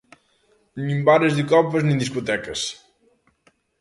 Nin bares de copas nin discotecas.